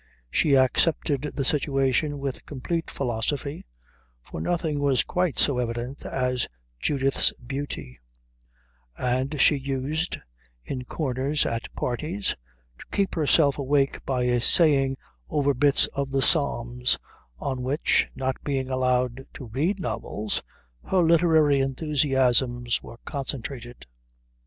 She accepted the situation with complete philosophy, for nothing was quite so evident as Judith's beauty; and she used, in corners at parties, to keep herself awake by saying over bits of the Psalms, on which, not being allowed to read novels, her literary enthusiasms were concentrated.